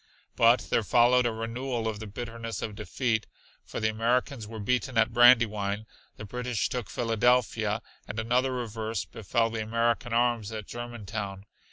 But there followed a renewal of the bitterness of defeat, for the Americans were beaten at Brandywine, the British took Philadelphia, and another reverse befell the American arms at Germantown.